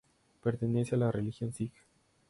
Pertenece a la religión Sij.